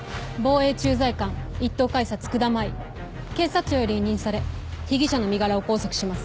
警察庁より委任され被疑者の身柄を拘束します。